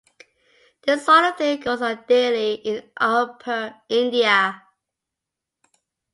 This sort of thing goes on daily in Upper India.